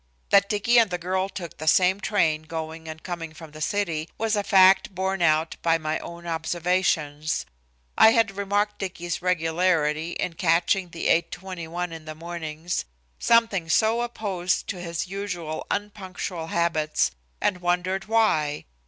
That Dicky and the girl took the same train, going and coming from the city, was a fact borne out by my own observations. I had remarked Dicky's regularity in catching the 8:21 in the mornings, something so opposed to his usual unpunctual habits, and wondered why.